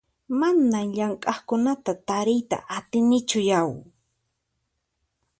Manan llamk'aqkunata tariyta atinichu yau!